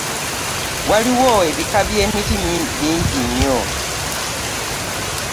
Waliwo ebika bye miti bingi nnyo.